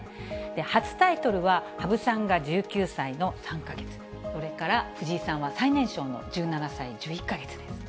初タイトルは、羽生さんが１９歳の３か月、それから藤井さんは最年少の１７歳１１か月です。